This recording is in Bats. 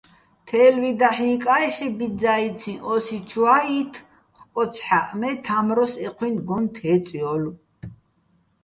თე́ლვი დაჵ ჲიკა́ჲ ჰ̦ე ბიძძა́იციჼ, ო́სი ჩუა́ ჲით ხკოცჰა́ჸ მე თა́მროს ეჴუ́ჲნი გოჼ თე́წჲო́ლო̆.